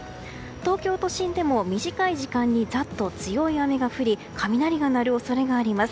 東京都心でも、短い時間にざっと強い雨が降り雷が鳴る恐れがあります。